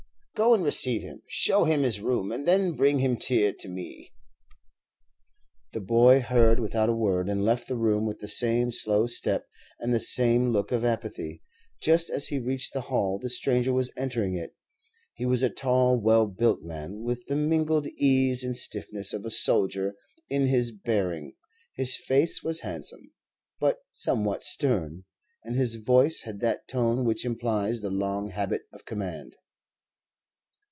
Go and receive him, show him his room, and then bring him here to me." The boy heard without a word, and left the room with the same slow step and the same look of apathy. Just as he reached the hall the stranger was entering it. He was a tall, well built man, with the mingled ease and stiffness of a soldier in his bearing; his face was handsome, but somewhat stern, and his voice had that tone which implies the long habit of command.